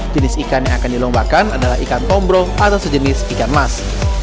jenis ikan yang akan dilombakan adalah ikan tombro atau sejenis ikan mas